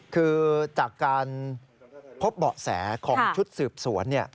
คือจากการพบเบาะแสของชุดสืบสวน